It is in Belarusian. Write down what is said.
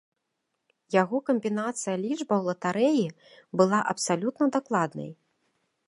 Яго камбінацыя лічбаў латарэі была абсалютна дакладнай.